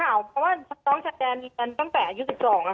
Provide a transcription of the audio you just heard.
มาตั้งแต่พี่น้องค่ะ